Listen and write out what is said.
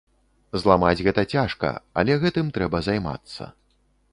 Зламаць гэта цяжка, але гэтым трэба займацца.